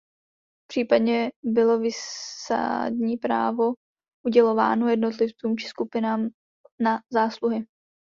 Případně bylo výsadní právo udělováno jednotlivcům či skupinám na zásluhy.